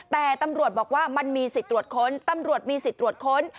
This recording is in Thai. แต่ตำรวจบอกว่ามันมีสิทธิ์ตรวจค้นตำรวจมีสิทธิ์ตรวจค้น